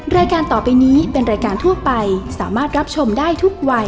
รายการต่อไปนี้เป็นรายการทั่วไปสามารถรับชมได้ทุกวัย